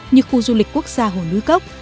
như khu du lịch quốc gia hồ núi cốc